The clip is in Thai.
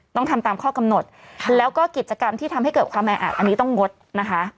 ต้องทำตามข้อกำหนดแล้วก็กิจกรรมที่ทำให้เกิดความแออัดอันนี้ต้องงดนะคะ